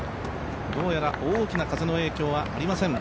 どうやら大きな風の影響はありません。